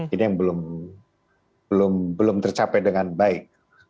ini yang belum tercapai dengan baik